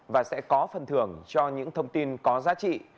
và sẽ có phần thưởng cho những thông tin có giá trị